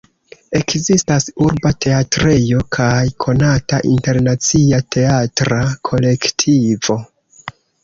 Ekzistas urba teatrejo, kaj konata internacia teatra kolektivo.